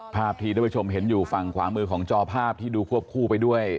ภาพที่ท่านผู้ชมเห็นอยู่ฝั่งขวามือของจอภาพที่ดูควบคู่ไปด้วย